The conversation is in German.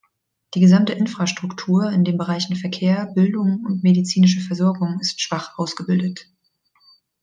Die gesamte Infrastruktur in den Bereichen Verkehr, Bildung und medizinische Versorgung ist schwach ausgebildet.